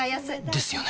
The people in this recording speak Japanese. ですよね